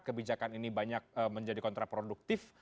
kebijakan ini banyak menjadi kontraproduktif